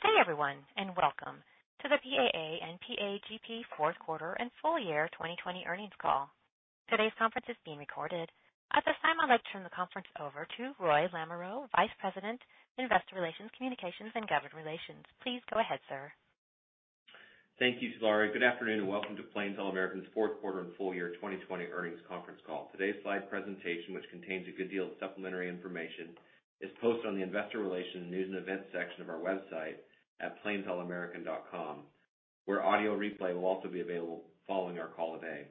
Good day, everyone. Welcome to the PAA and PAGP fourth quarter and full year 2020 earnings call. Today's conference is being recorded. At this time, I'd like to turn the conference over to Roy Lamoreaux, Vice President, Investor Relations, Communications, and Government Relations. Please go ahead, sir. Thank you, Laurie. Good afternoon, and welcome to Plains All American's fourth quarter and full year 2020 earnings conference call. Today's slide presentation, which contains a good deal of supplementary information, is posted on the investor relations news and events section of our website at plainsallamerican.com, where audio replay will also be available following our call today.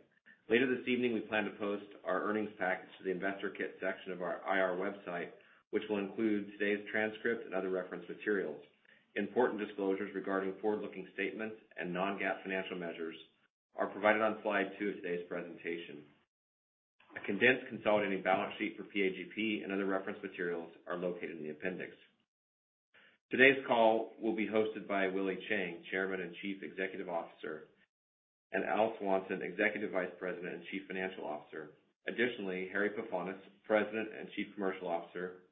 Later this evening, we plan to post our earnings package to the investor kit section of our IR website, which will include today's transcript and other reference materials. Important disclosures regarding forward-looking statements and non-GAAP financial measures are provided on slide two of today's presentation. A condensed consolidated balance sheet for PAGP and other reference materials are located in the appendix. Today's call will be hosted by Willie Chiang, Chairman and Chief Executive Officer, and Al Swanson, Executive Vice President and Chief Financial Officer. Additionally, Harry Pefanis, President and Chief Commercial Officer,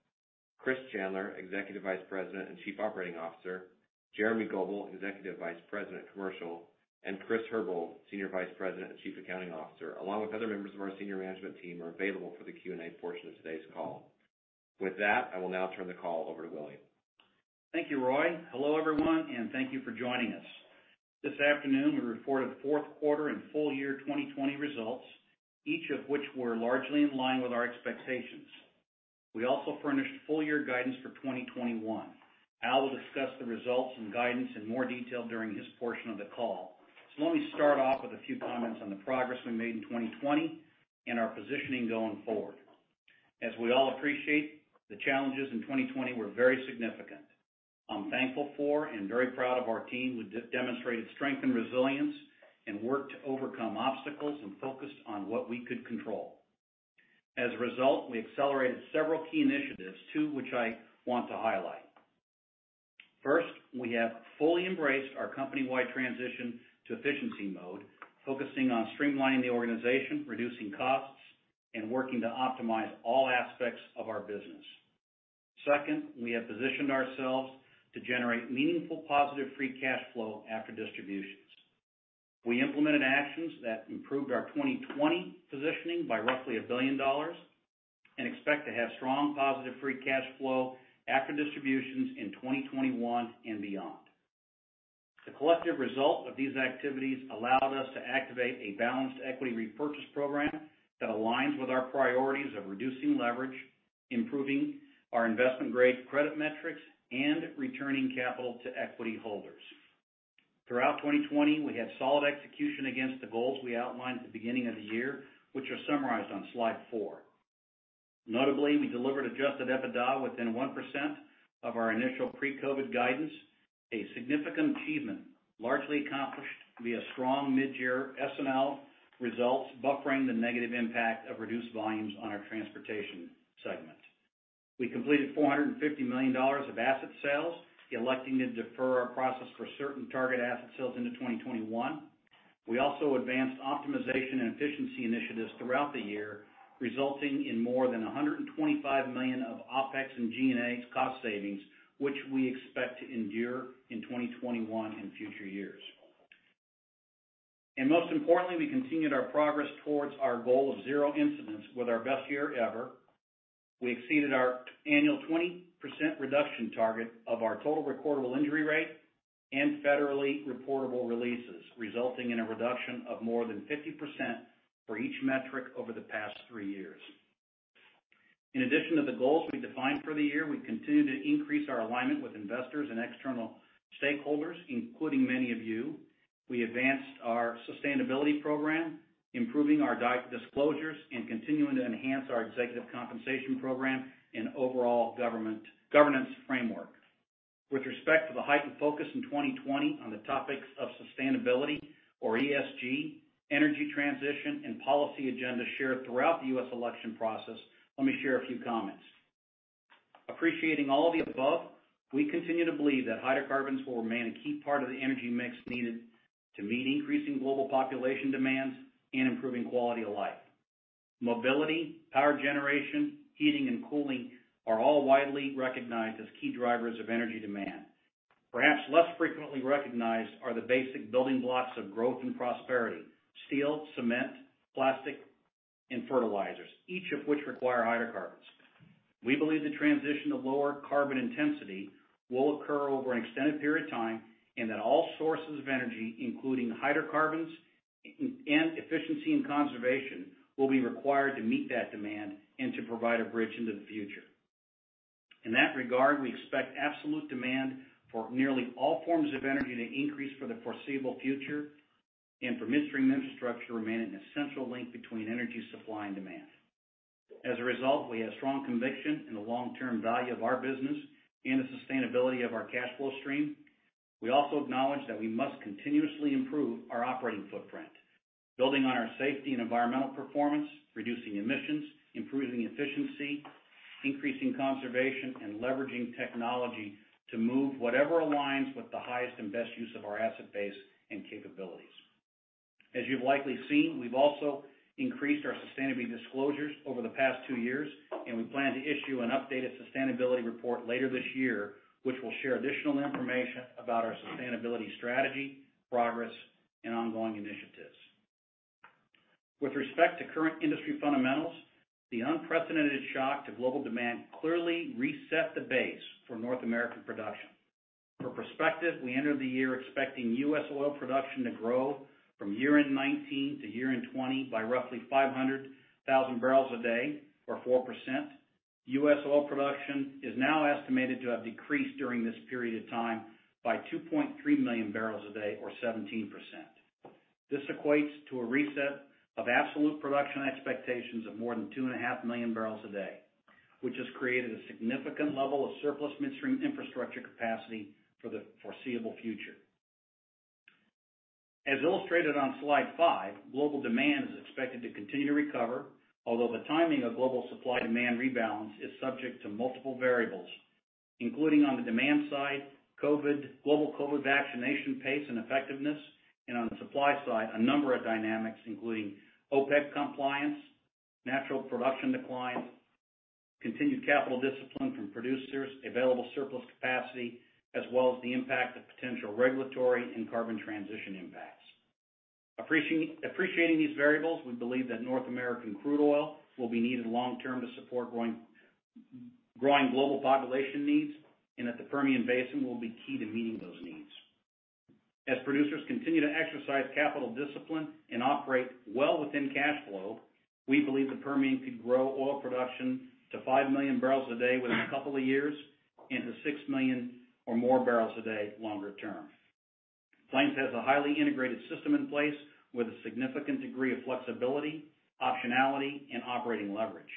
Chris Chandler, Executive Vice President and Chief Operating Officer, Jeremy Goebel, Executive Vice President, Commercial, and Chris Herbold, Senior Vice President and Chief Accounting Officer, along with other members of our senior management team, are available for the Q&A portion of today's call. With that, I will now turn the call over to Willie. Thank you, Roy. Hello, everyone, and thank you for joining us. This afternoon we reported fourth quarter and full year 2020 results, each of which were largely in line with our expectations. We also furnished full-year guidance for 2021. Al will discuss the results and guidance in more detail during his portion of the call. Let me start off with a few comments on the progress we made in 2020 and our positioning going forward. As we all appreciate, the challenges in 2020 were very significant. I'm thankful for and very proud of our team, who demonstrated strength and resilience and worked to overcome obstacles and focused on what we could control. As a result, we accelerated several key initiatives, two which I want to highlight. First, we have fully embraced our company-wide transition to efficiency mode, focusing on streamlining the organization, reducing costs, and working to optimize all aspects of our business. Second, we have positioned ourselves to generate meaningful, positive free cash flow after distributions. We implemented actions that improved our 2020 positioning by roughly $1 billion and expect to have strong positive free cash flow after distributions in 2021 and beyond. The collective result of these activities allowed us to activate a balanced equity repurchase program that aligns with our priorities of reducing leverage, improving our investment-grade credit metrics, and returning capital to equity holders. Throughout 2020, we had solid execution against the goals we outlined at the beginning of the year, which are summarized on slide four. Notably, we delivered adjusted EBITDA within 1% of our initial pre-COVID guidance, a significant achievement largely accomplished via strong mid-year S&L results buffering the negative impact of reduced volumes on our transportation segment. We completed $450 million of asset sales, electing to defer our process for certain target asset sales into 2021. We also advanced optimization and efficiency initiatives throughout the year, resulting in more than $125 million of OpEx and G&A cost savings, which we expect to endure in 2021 and future years. Most importantly, we continued our progress towards our goal of zero incidents with our best year ever. We exceeded our annual 20% reduction target of our total recordable injury rate and federally reportable releases, resulting in a reduction of more than 50% for each metric over the past three years. In addition to the goals we defined for the year, we continued to increase our alignment with investors and external stakeholders, including many of you. We advanced our sustainability program, improving our disclosures, and continuing to enhance our executive compensation program and overall governance framework. With respect to the heightened focus in 2020 on the topics of sustainability or ESG, energy transition, and policy agenda shared throughout the U.S. election process, let me share a few comments. Appreciating all of the above, we continue to believe that hydrocarbons will remain a key part of the energy mix needed to meet increasing global population demands and improving quality of life. Mobility, power generation, heating, and cooling are all widely recognized as key drivers of energy demand. Perhaps less frequently recognized are the basic building blocks of growth and prosperity: steel, cement, plastic, and fertilizers, each of which require hydrocarbons. We believe the transition to lower carbon intensity will occur over an extended period of time and that all sources of energy, including hydrocarbons and efficiency and conservation, will be required to meet that demand and to provide a bridge into the future. In that regard, we expect absolute demand for nearly all forms of energy to increase for the foreseeable future and for midstream infrastructure to remain an essential link between energy supply and demand. As a result, we have strong conviction in the long-term value of our business and the sustainability of our cash flow stream. We also acknowledge that we must continuously improve our operating footprint, building on our safety and environmental performance, reducing emissions, improving efficiency, increasing conservation, and leveraging technology to move whatever aligns with the highest and best use of our asset base and capabilities. As you've likely seen, we've also increased our sustainability disclosures over the past two years, and we plan to issue an updated sustainability report later this year, which will share additional information about our sustainability strategy, progress, and ongoing initiatives. With respect to current industry fundamentals, the unprecedented shock to global demand clearly reset the base for North American production. For perspective, we entered the year expecting U.S. oil production to grow from year-end 2019 to year-end 2020 by roughly 500,000 bbl a day, or 4%. U.S. oil production is now estimated to have decreased during this period of time by 2.3 million bbl a day, or 17%. This equates to a reset of absolute production expectations of more than 2.5 million bbl a day, which has created a significant level of surplus midstream infrastructure capacity for the foreseeable future. As illustrated on slide five, global demand is expected to continue to recover, although the timing of global supply-demand rebalance is subject to multiple variables, including on the demand side, global COVID vaccination pace and effectiveness, and on the supply side, a number of dynamics, including OPEC compliance, natural production declines, continued capital discipline from producers, available surplus capacity, as well as the impact of potential regulatory and carbon transition impacts. Appreciating these variables, we believe that North American crude oil will be needed long-term to support growing global population needs, and that the Permian Basin will be key to meeting those needs. As producers continue to exercise capital discipline and operate well within cash flow, we believe the Permian could grow oil production to 5 million bbl a day within a couple of years, and to 6 million or more barrels a day longer term. Plains has a highly integrated system in place with a significant degree of flexibility, optionality, and operating leverage.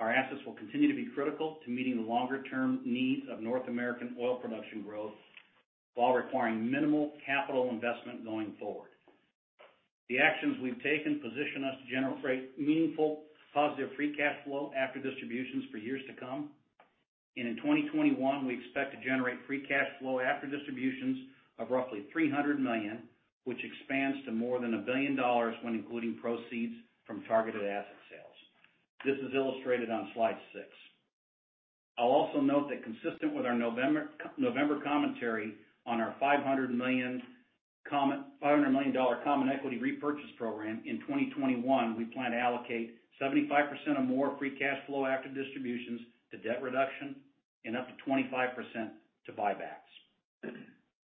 Our assets will continue to be critical to meeting the longer-term needs of North American oil production growth while requiring minimal capital investment going forward. The actions we've taken position us to generate meaningful positive free cash flow after distributions for years to come. In 2021, we expect to generate free cash flow after distributions of roughly $300 million, which expands to more than $1 billion when including proceeds from targeted asset sales. This is illustrated on slide six. I'll also note that consistent with our November commentary on our $500 million common equity repurchase program in 2021, we plan to allocate 75% or more of free cash flow after distributions to debt reduction and up to 25% to buybacks.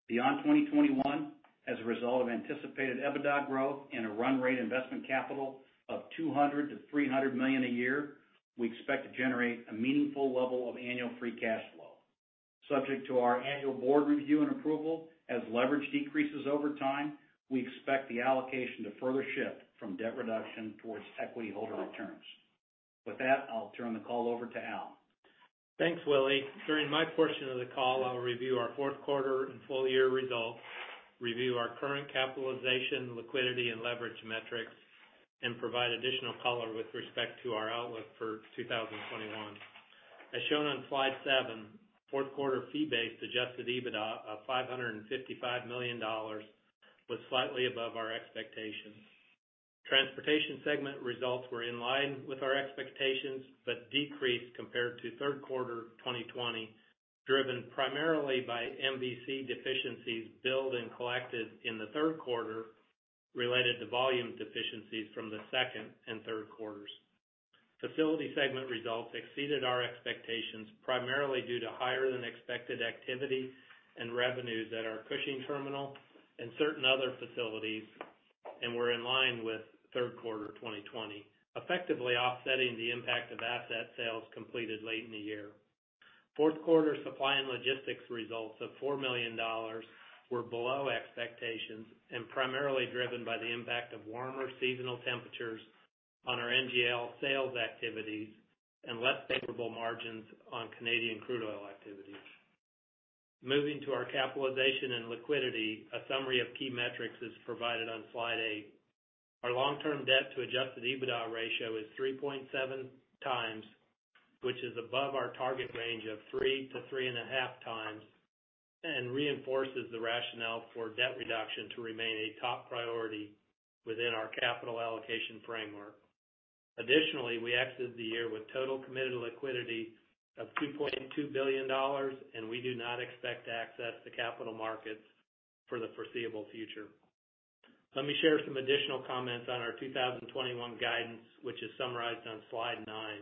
Beyond 2021, as a result of anticipated EBITDA growth and a run rate investment capital of $200 million-$300 million a year, we expect to generate a meaningful level of annual free cash flow. Subject to our annual board review and approval, as leverage decreases over time, we expect the allocation to further shift from debt reduction towards equity holder returns. With that, I'll turn the call over to Al. Thanks, Willie. During my portion of the call, I'll review our fourth quarter and full-year results, review our current capitalization, liquidity, and leverage metrics, and provide additional color with respect to our outlook for 2021. As shown on slide seven, fourth quarter fee-based adjusted EBITDA of $555 million was slightly above our expectations. Transportation segment results were in line with our expectations, but decreased compared to third quarter 2020, driven primarily by MVC deficiencies billed and collected in the third quarter related to volume deficiencies from the second and third quarters. Facility segment results exceeded our expectations, primarily due to higher-than-expected activity and revenues at our Cushing terminal and certain other facilities, and were in line with third quarter 2020, effectively offsetting the impact of asset sales completed late in the year. Fourth quarter Supply and Logistics results of $4 million were below expectations and primarily driven by the impact of warmer seasonal temperatures on our NGL sales activities and less favorable margins on Canadian crude oil activities. Moving to our capitalization and liquidity, a summary of key metrics is provided on slide eight. Our long-term debt to adjusted EBITDA ratio is 3.7x, which is above our target range of 3 to 3.5x, and reinforces the rationale for debt reduction to remain a top priority within our capital allocation framework. Additionally, we exited the year with total committed liquidity of $2.2 billion, and we do not expect to access the capital markets for the foreseeable future. Let me share some additional comments on our 2021 guidance, which is summarized on slide nine.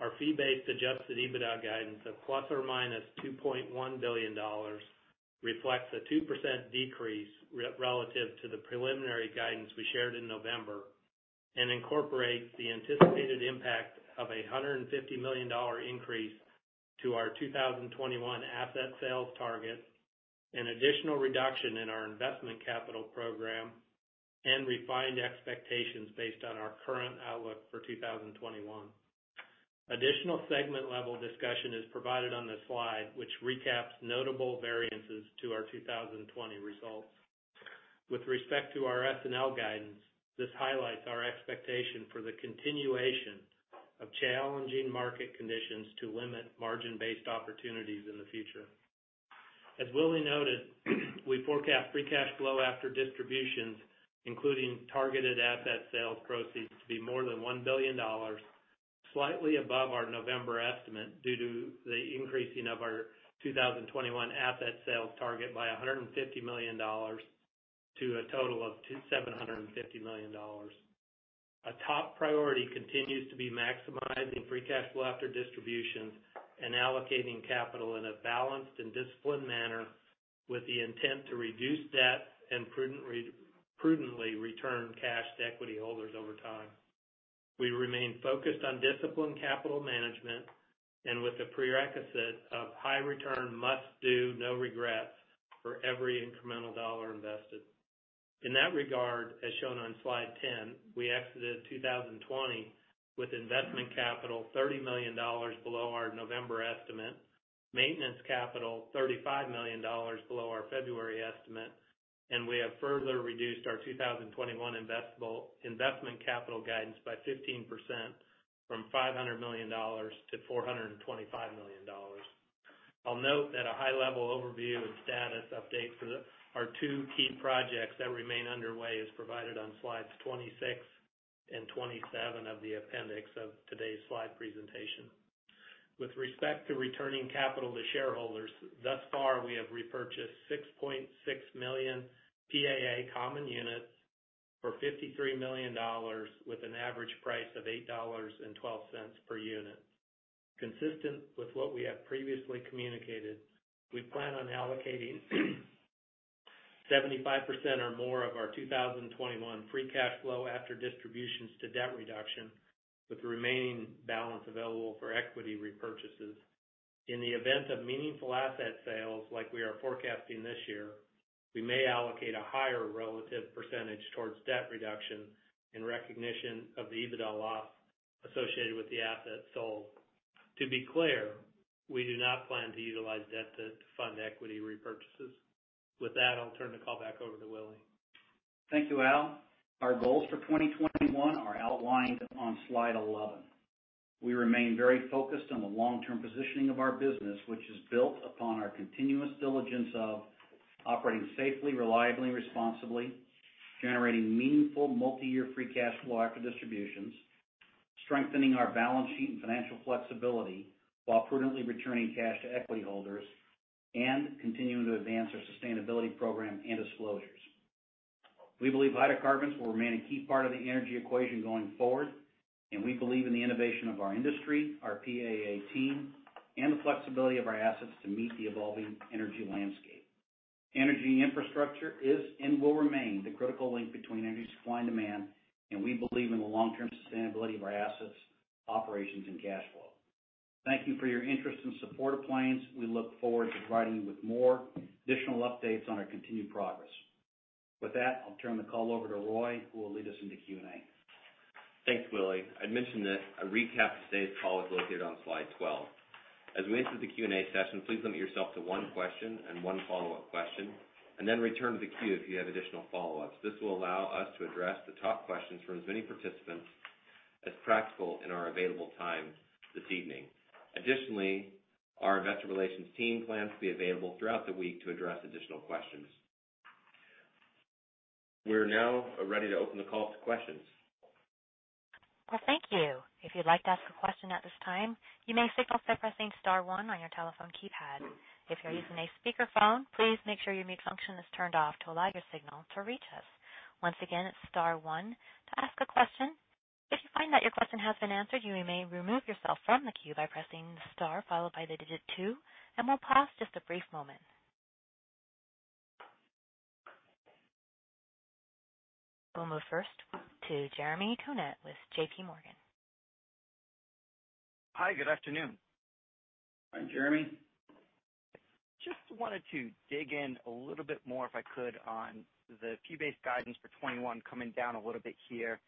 Our fee-based adjusted EBITDA guidance of ±$2.1 billion reflects a 2% decrease relative to the preliminary guidance we shared in November and incorporates the anticipated impact of a $150 million increase to our 2021 asset sales targets, an additional reduction in our investment capital program, and refined expectations based on our current outlook for 2021. Additional segment-level discussion is provided on this slide, which recaps notable variances to our 2020 results. With respect to our S&L guidance, this highlights our expectation for the continuation of challenging market conditions to limit margin-based opportunities in the future. As Willie noted, we forecast free cash flow after distributions, including targeted asset sales proceeds, to be more than $1 billion, slightly above our November estimate due to the increasing of our 2021 asset sales target by $150 million to a total of $750 million. A top priority continues to be maximizing free cash flow after distributions and allocating capital in a balanced and disciplined manner with the intent to reduce debt and prudently return cash to equity holders over time. We remain focused on disciplined capital management and with the prerequisite of high return must do, no regrets for every incremental dollar invested. In that regard, as shown on slide 10, we exited 2020 with investment capital $30 million below our November estimate, maintenance capital $35 million below our February estimate, and we have further reduced our 2021 investment capital guidance by 15%, from $500 million to $425 million. I'll note that a high-level overview and status update for our two key projects that remain underway is provided on slides 26 and 27 of the appendix of today's slide presentation. With respect to returning capital to shareholders, thus far we have repurchased 6.6 million PAA common units for $53 million with an average price of $8.12 per unit. Consistent with what we have previously communicated, we plan on allocating 75% or more of our 2021 free cash flow after distributions to debt reduction, with the remaining balance available for equity repurchases. In the event of meaningful asset sales like we are forecasting this year, we may allocate a higher relative percentage towards debt reduction in recognition of the EBITDA loss associated with the asset sold. To be clear, we do not plan to utilize debt to fund equity repurchases. With that, I'll turn the call back over to Willie. Thank you, Al. Our goals for 2021 are outlined on slide 11. We remain very focused on the long-term positioning of our business, which is built upon our continuous diligence of operating safely, reliably, and responsibly, generating meaningful multi-year free cash flow after distributions, strengthening our balance sheet and financial flexibility while prudently returning cash to equity holders, and continuing to advance our sustainability program and disclosures. We believe hydrocarbons will remain a key part of the energy equation going forward, and we believe in the innovation of our industry, our PAA team, and the flexibility of our assets to meet the evolving energy landscape. Energy infrastructure is and will remain the critical link between energy supply and demand, and we believe in the long-term sustainability of our assets, operations, and cash flow. Thank you for your interest and support of Plains. We look forward to providing you with more additional updates on our continued progress. With that, I'll turn the call over to Roy, who will lead us into Q&A. Thanks, Willie. I'd mention that a recap of today's call is located on slide 12. As we enter the Q&A session, please limit yourself to one question and one follow-up question, and then return to the queue if you have additional follow-ups. This will allow us to address the top questions from as many participants as practical in our available time this evening. Additionally, our investor relations team plans to be available throughout the week to address additional questions. We are now ready to open the call to questions. Well, thank you. If you'd like to ask a question at this time, you may signal by pressing star one on your telephone keypad. If you're using a speakerphone, please make sure your mute function is turned off to allow your signal to reach us. Once again, it's star one to ask a question. If you find that your question has been answered, you may remove yourself from the queue by pressing star followed by the digit two, and we'll pause just a brief moment. We'll move first to Jeremy Tonet with JPMorgan. Hi, good afternoon. Hi, Jeremy. Just wanted to dig in a little bit more, if I could, on the fee-based guidance for 2021 coming down a little bit here.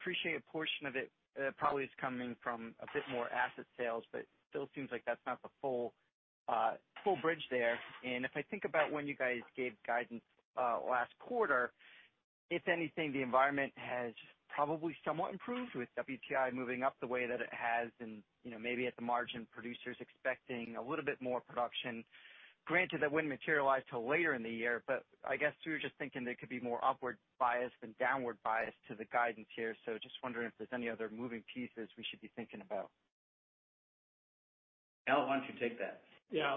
Appreciate a portion of it probably is coming from a bit more asset sales, but still seems like that's not the full bridge there. If I think about when you guys gave guidance last quarter, if anything, the environment has probably somewhat improved with WTI moving up the way that it has and maybe at the margin, producers expecting a little bit more production. Granted, that wouldn't materialize till later in the year, but I guess we were just thinking there could be more upward bias than downward bias to the guidance here. Just wondering if there's any other moving pieces we should be thinking about. Al, why don't you take that? Yeah.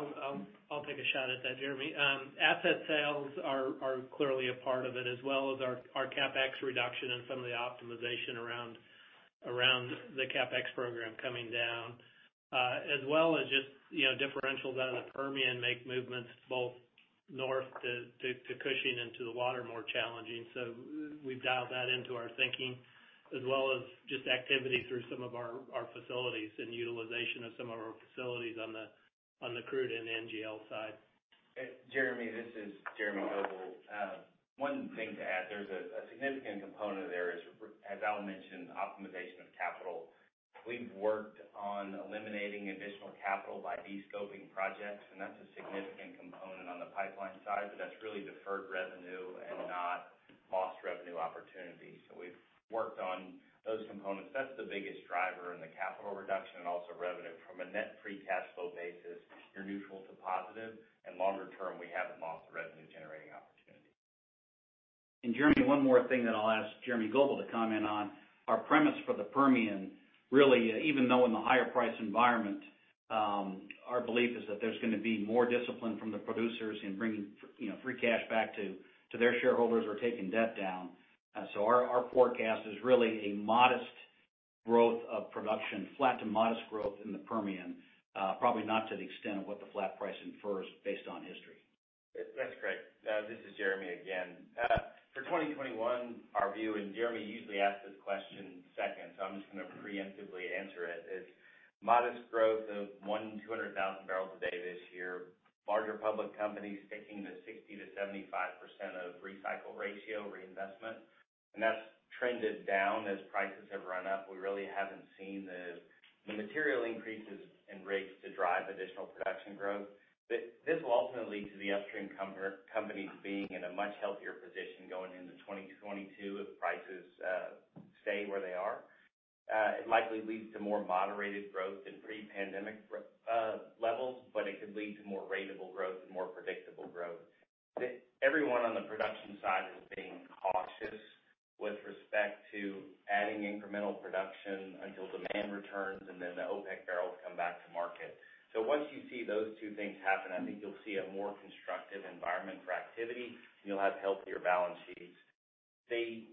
I'll take a shot at that, Jeremy. Asset sales are clearly a part of it, as well as our CapEx reduction and some of the optimization around the CapEx program coming down. As well as just differentials out of the Permian make movements both north to Cushing and to the water challenging. We've dialed that into our thinking as well as just activity through some of our facilities and utilization of some of our facilities on the crude and NGL side. Jeremy, this is Jeremy Goebel. One thing to add, there's a significant component there is, as Al mentioned, optimization of capital. We've worked on eliminating additional capital by de-scoping projects, and that's a significant component pipeline side, but that's really deferred revenue and not lost revenue opportunity. We've worked on those components. That's the biggest driver in the capital reduction and also revenue. From a net free cash flow basis, you're neutral to positive, and longer term, we haven't lost the revenue-generating opportunity. Jeremy, one more thing that I'll ask Jeremy Goebel to comment on. Our premise for the Permian, really, even though in the higher price environment, our belief is that there's going to be more discipline from the producers in bringing free cash back to their shareholders or taking debt down. Our forecast is really a modest growth of production, flat to modest growth in the Permian. Probably not to the extent of what the flat price infers based on history. That's great. This is Jeremy again. For 2021, our view, and Jeremy usually asks this question second, so I'm just going to preemptively answer it, is modest growth of 100,000 bbl-200,000 bbl a day this year. Larger public companies sticking to 60%-75% of recycle ratio reinvestment. That's trended down as prices have run up. We really haven't seen the material increases in rates to drive additional production growth. This will ultimately lead to the upstream companies being in a much healthier position going into 2022 if prices stay where they are. It likely leads to more moderated growth than pre-pandemic levels. It could lead to more ratable growth and more predictable growth. Everyone on the production side is being cautious with respect to adding incremental production until demand returns and then the OPEC barrels come back to market. Once you see those two things happen, I think you'll see a more constructive environment for activity, and you'll have healthier balance sheets. The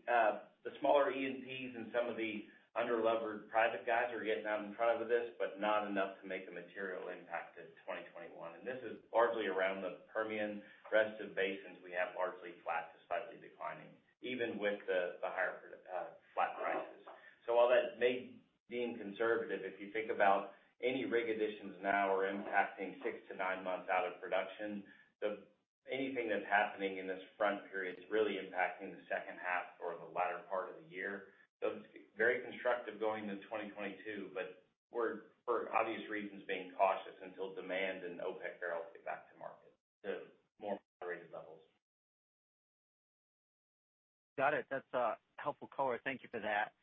smaller E&Ps and some of the under-levered private guys are getting out in front of this, but not enough to make a material impact to 2021. This is largely around the Permian. The rest of the basins we have largely flat to slightly declining, even with the higher flat prices. While that may mean conservative, if you think about any rig additions now are impacting six to nine months out of production. Anything that's happening in this front period is really impacting the second half or the latter part of the year. Very constructive going into 2022, but we're for obvious reasons, being cautious until demand and OPEC barrels get back to market to more moderated levels. Got it. That's a helpful color, thank you for that.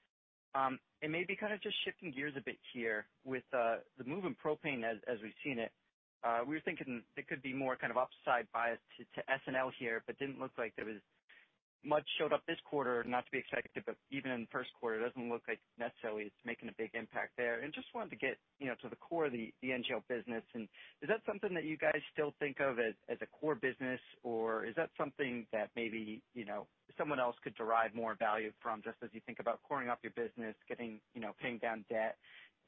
Maybe kind of just shifting gears a bit here with the move in propane as we've seen it. We were thinking there could be more kind of upside bias to S&L here, but didn't look like there was much showed up this quarter. Not to be expected, but even in the first quarter, it doesn't look like necessarily it's making a big impact there. Just wanted to get to the core of the NGL business, and is that something that you guys still think of as a core business, or is that something that maybe someone else could derive more value from just as you think about coring up your business, paying down debt,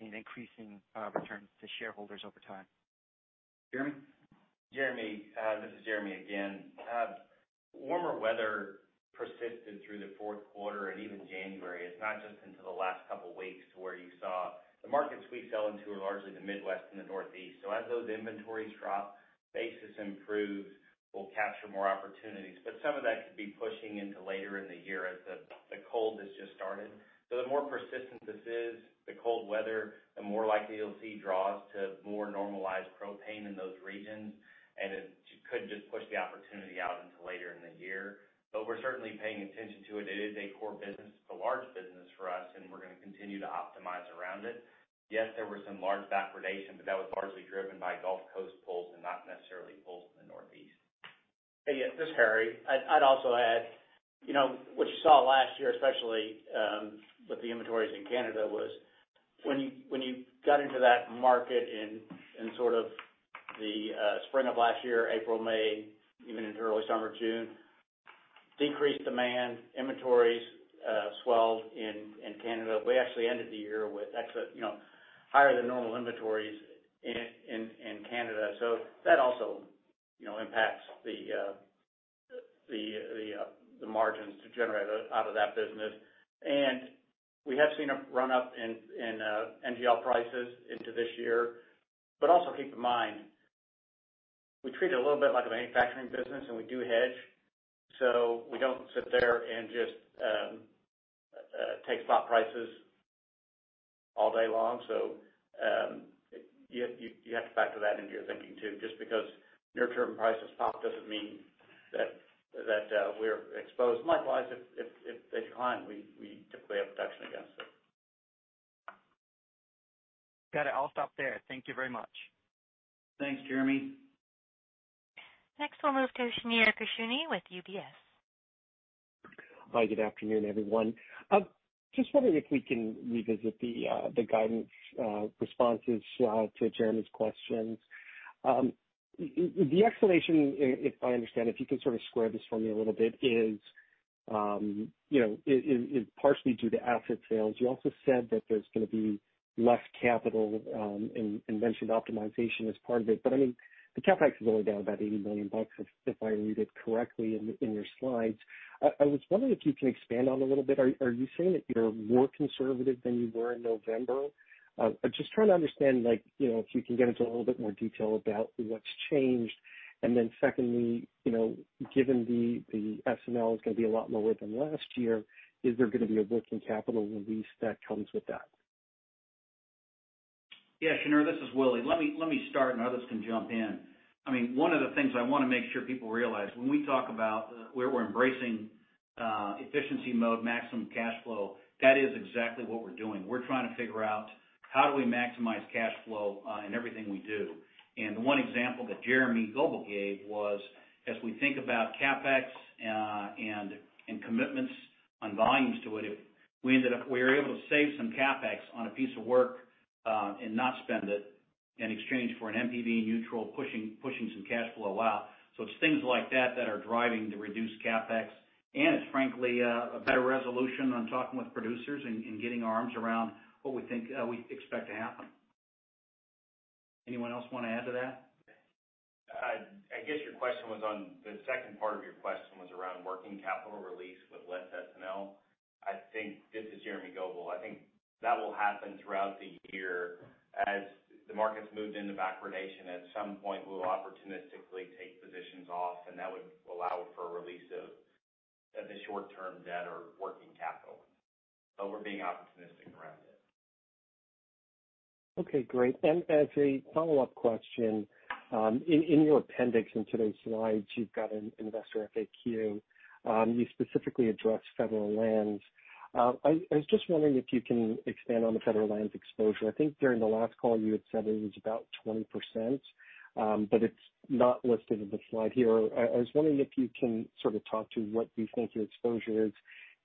and increasing returns to shareholders over time? Jeremy? Jeremy, this is Jeremy again. Warmer weather persisted through the fourth quarter and even January. It's not just until the last couple of weeks to where you saw. The markets we sell into are largely the Midwest and the Northeast. As those inventories drop, basis improves. We'll capture more opportunities. Some of that could be pushing into later in the year as the cold has just started. The more persistent this is, the cold weather, the more likely you'll see draws to more normalized propane in those regions, and it could just push the opportunity out until later in the year. We're certainly paying attention to it. It is a core business. It's a large business for us, and we're going to continue to optimize around it. Yes, there were some large backwardation, but that was largely driven by Gulf Coast pulls and not necessarily pulls from the Northeast. Hey, yeah, this is Harry. I'd also add, what you saw last year especially with the inventories in Canada, was when you got into that market in sort of the spring of last year, April, May, even into early summer, June, decreased demand, inventories swelled in Canada. We actually ended the year with higher than normal inventories in Canada. That also impacts the margins to generate out of that business. We have seen a run-up in NGL prices into this year. Also keep in mind, we treat it a little bit like a manufacturing business, and we do hedge. We don't sit there and just take spot prices all day long. You have to factor that into your thinking, too. Just because near-term prices pop doesn't mean that we're exposed. Likewise, if they decline, we typically have protection against it. Got it. I'll stop there. Thank you very much. Thanks, Jeremy. Next, we'll move to Shneur Gershuni with UBS. Hi, good afternoon, everyone. Just wondering if we can revisit the guidance responses to Jeremy's questions. The explanation if I understand, if you can sort of square this for me a little bit is partially due to asset sales. You also said that there's going to be less capital and mentioned optimization as part of it. The CapEx is only down about $80 million if I read it correctly in your slides. I was wondering if you can expand on it a little bit. Are you saying that you're more conservative than you were in November? I'm just trying to understand if you can get into a little bit more detail about what's changed. Secondly, given the S&L is going to be a lot lower than last year, is there going to be a working capital release that comes with that? Yeah, Shneur, this is Willie. Let me start, and others can jump in. One of the things I want to make sure people realize when we talk about where we're embracing efficiency mode, maximum cash flow, that is exactly what we're doing. We're trying to figure out how do we maximize cash flow in everything we do. The one example that Jeremy Goebel gave was as we think about CapEx and commitments on volumes to it, if we're able to save some CapEx on a piece of work and not spend it in exchange for an NPV neutral, pushing some cash flow out. It's things like that that are driving the reduced CapEx, and it's frankly a better resolution on talking with producers and getting our arms around what we expect to happen. Anyone else want to add to that? I guess the second part of your question was around working capital release with less S&L. This is Jeremy Goebel. I think that will happen throughout the year. As the markets moved into backwardation, at some point we'll opportunistically take positions off, and that would allow for a release of the short-term debt or working capital. We're being opportunistic around it. Okay, great. As a follow-up question, in your appendix in today's slides, you've got an investor FAQ. You specifically address federal lands. I was just wondering if you can expand on the federal lands exposure. I think during the last call you had said it was about 20%, but it's not listed in the slide here. I was wondering if you can sort of talk to what you think your exposure is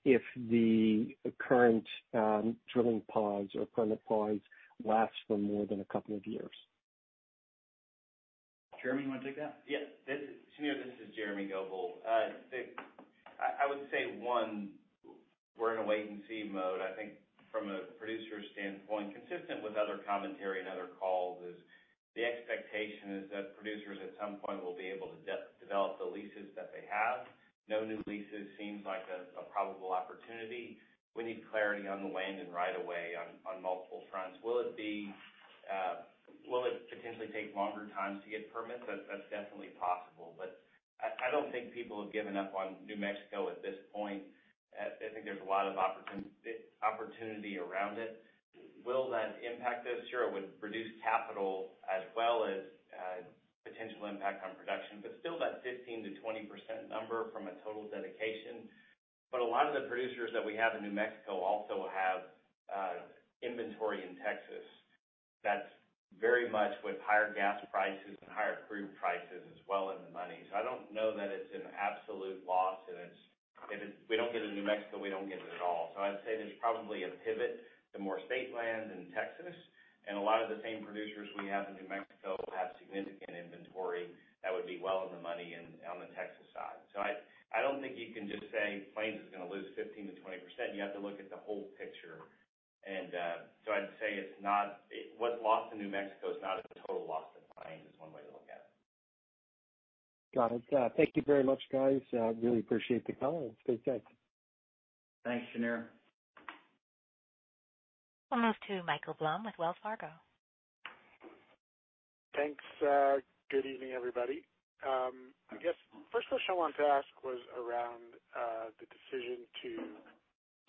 if the current drilling pods or permit pods last for more than a couple of years. Jeremy, you want to take that? Yes. Shneur, this is Jeremy Goebel. I would say, one, we're in a wait-and-see mode. I think from a producer standpoint, consistent with other commentary and other calls, is the expectation is that producers at some point will be able to develop the leases that they have. No-new leases seems like a probable opportunity. We need clarity on the land and right of way on multiple fronts. Will it potentially take longer times to get permits? That's definitely possible, but I don't think people have given up on New Mexico at this point. I think there's a lot of opportunity around it. Will that impact us? Sure, it would reduce capital as well as potential impact on production, but still that 15%-20% number from a total dedication. A lot of the producers that we have in New Mexico also have inventory in Texas that's very much with higher gas prices and higher crude prices as well in the money. I don't know that it's an absolute loss and if we don't get it in New Mexico, we don't get it at all. I'd say there's probably a pivot to more state land in Texas, and a lot of the same producers we have in New Mexico have significant inventory that would be well in the money on the Texas side. I don't think you can just say Plains is going to lose 15%-20%. You have to look at the whole picture. I'd say what's lost in New Mexico is not a total loss to Plains, is one way to look at it. Got it. Thank you very much, guys. Really appreciate the call. Stay safe. Thanks, Shneur. We'll move to Michael Blum with Wells Fargo. Thanks. Good evening, everybody. I guess first question I wanted to ask was around the decision to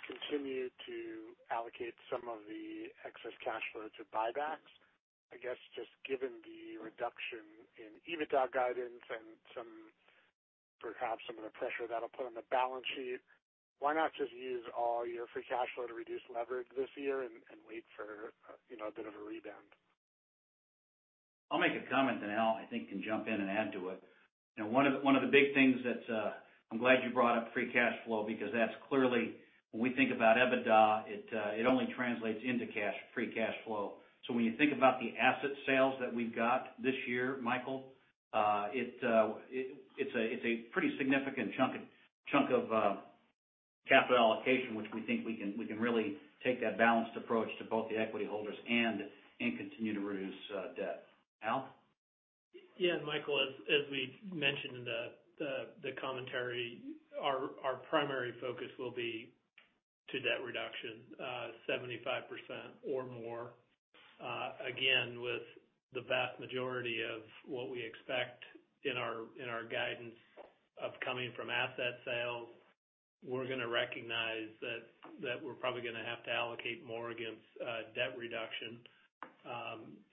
continue to allocate some of the excess cash flow to buybacks. I guess just given the reduction in EBITDA guidance and perhaps some of the pressure that'll put on the balance sheet, why not just use all your free cash flow to reduce leverage this year and wait for a bit of a rebound? I'll make a comment, then Al, I think, can jump in and add to it. One of the big things that I'm glad you brought up free cash flow, because that's clearly when we think about EBITDA, it only translates into free cash flow. When you think about the asset sales that we've got this year, Michael, it's a pretty significant chunk of capital allocation, which we think we can really take that balanced approach to both the equity holders and continue to reduce debt. Al? Yeah, Michael, as we mentioned in the commentary, our primary focus will be to debt reduction, 75% or more. Again, with the vast majority of what we expect in our guidance upcoming from asset sales, we're going to recognize that we're probably going to have to allocate more against debt reduction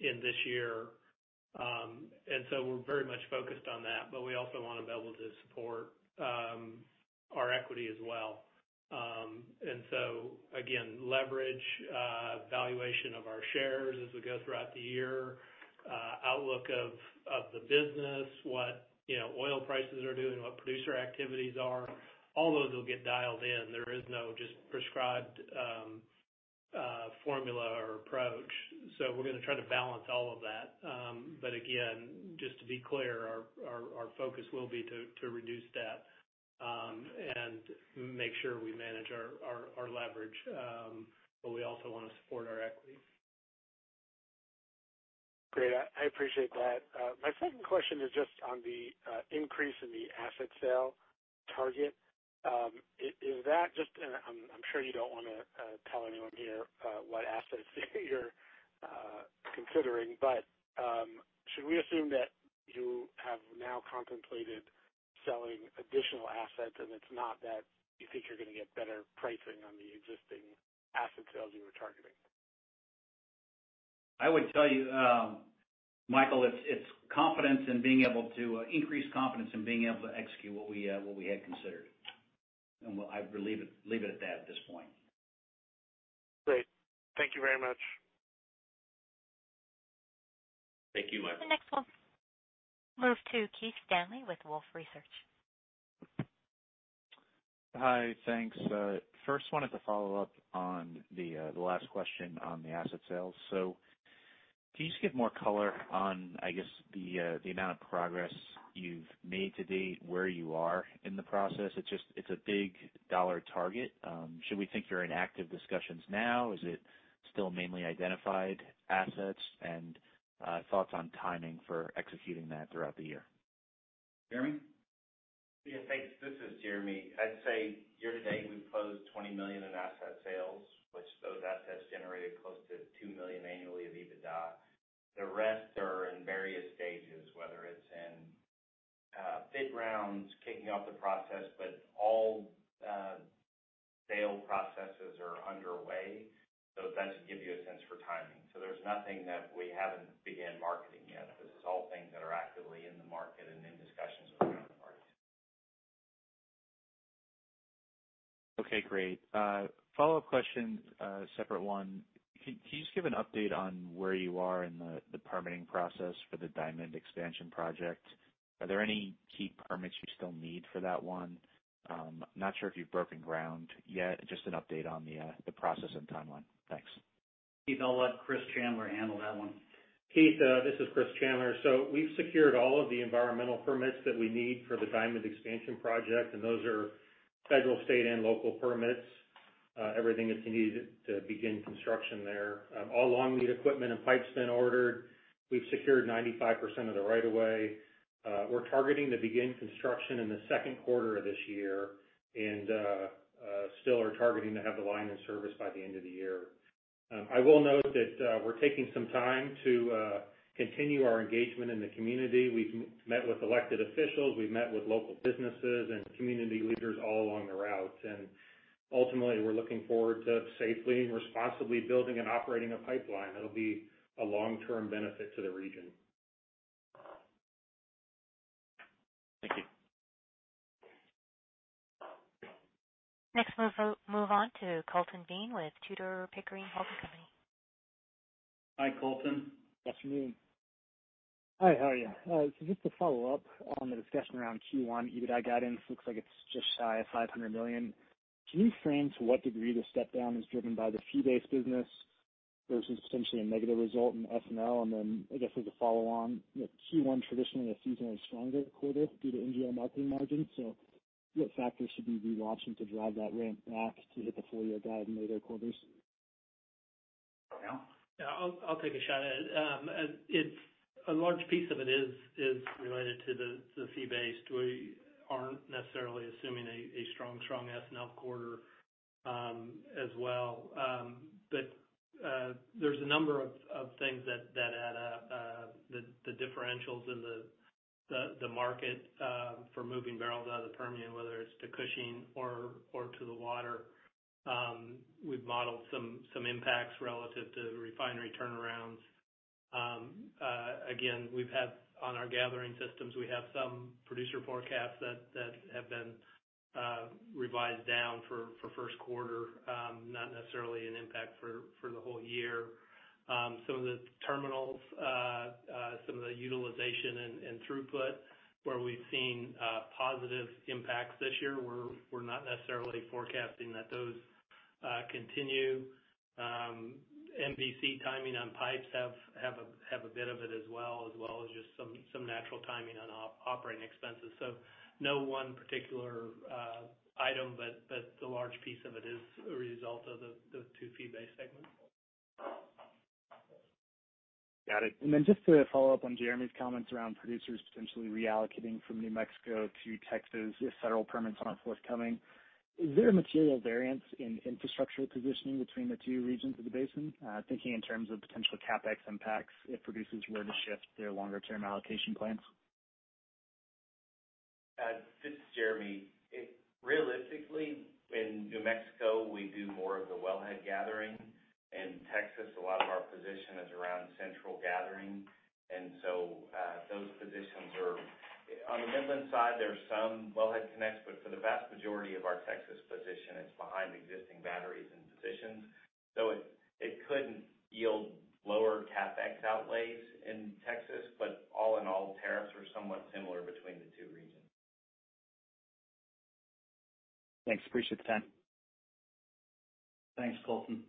in this year. We're very much focused on that, but we also want to be able to support our equity as well. Again, leverage valuation of our shares as we go throughout the year, outlook of the business, what oil prices are doing, what producer activities are, all those will get dialed in. There is no just prescribed formula or approach. We're going to try to balance all of that. Again, just to be clear, our focus will be to reduce debt and make sure we manage our leverage. We also want to support our equity. Great. I appreciate that. My second question is just on the increase in the asset sale target. I'm sure you don't want to tell anyone here what assets you're considering. Should we assume that you have now contemplated selling additional assets, and it's not that you think you're going to get better pricing on the existing asset sales you were targeting? I would tell you, Michael, it's increased confidence in being able to execute what we had considered. I'd leave it at that at this point. Great. Thank you very much. Thank you, Michael. The next one. Move to Keith Stanley with Wolfe Research. Hi. Thanks. First wanted to follow up on the last question on the asset sales. Can you just give more color on, I guess, the amount of progress you've made to date, where you are in the process? It's a big dollar target. Should we think you're in active discussions now? Is it still mainly identified assets? Thoughts on timing for executing that throughout the year? Jeremy? Thanks. This is Jeremy. I'd say year-to-date, we've closed $20 million in asset sales, which those assets generated close to $2 million annually of EBITDA. The rest are in various stages, whether it's in bid rounds, kicking off the process, but all sale processes are underway. That should give you a sense for timing. There's nothing that we haven't began marketing yet. This is all things that are actively in the market and in discussions with third parties. Okay, great. Follow-up question, a separate one. Can you just give an update on where you are in the permitting process for the Diamond expansion project? Are there any key permits you still need for that one? Not sure if you've broken ground yet. Just an update on the process and timeline. Thanks. Keith, I'll let Chris Chandler handle that one. Keith, this is Chris Chandler. We've secured all of the environmental permits that we need for the Diamond expansion project, and those are federal, state, and local permits. Everything that's needed to begin construction there. All long lead equipment and pipe's been ordered. We've secured 95% of the right of way. We're targeting to begin construction in the second quarter of this year and still are targeting to have the line in service by the end of the year. I will note that we're taking some time to continue our engagement in the community. We've met with elected officials, we've met with local businesses and community leaders all along the route. Ultimately, we're looking forward to safely and responsibly building and operating a pipeline that'll be a long-term benefit to the region. Thank you. Move on to Colton Bean with Tudor, Pickering, Holt & Co. Hi, Colton. Afternoon. Hi, how are you? Just to follow up on the discussion around Q1 EBITDA guidance, looks like it's just shy of $500 million. Can you frame to what degree the step down is driven by the fee-based business versus essentially a negative result in S&L? I guess as a follow on, Q1 traditionally a seasonally stronger quarter due to NGL marketing margins. What factors should we be watching to drive that ramp back to hit the full-year guide in later quarters? Al? Yeah, I'll take a shot at it. A large piece of it is related to the fee-based. We aren't necessarily assuming a strong S&L quarter as well. There's a number of things that add up. The differentials in the market for moving barrels out of the Permian, whether it's to Cushing or to the water. We've modeled some impacts relative to refinery turnarounds. Again, on our gathering systems, we have some producer forecasts that have been revised down for first quarter. Not necessarily an impact for the whole year. Some of the terminals, some of the utilization and throughput where we've seen positive impacts this year, we're not necessarily forecasting that those continue. MVC timing on pipes have a bit of it as well, as well as just some natural timing on operating expenses. No one particular item, but the large piece of it is a result of the two fee-based segments. Got it. Just to follow up on Jeremy's comments around producers potentially reallocating from New Mexico to Texas if federal permits aren't forthcoming. Is there a material variance in infrastructure positioning between the two regions of the basin? Thinking in terms of potential CapEx impacts if producers were to shift their longer-term allocation plans. This is Jeremy. Realistically, in New Mexico, we do more of the wellhead gathering. In Texas, a lot of our position is around central gathering. On the Midland side, there's some wellhead connects, but for the vast majority of our Texas position, it's behind existing batteries and positions. It could yield lower CapEx outlays in Texas. All in all, tariffs are somewhat similar between the two regions. Thanks. Appreciate the time. Thanks, Colton.